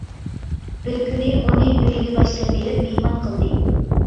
بىر كۈنى ئۇنى ئۆيىگە باشلاپ بېرىپ مېھمان قىلدى.